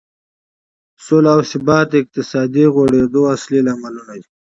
سوله او ثبات د اقتصادي غوړېدو اصلي لاملونه دي.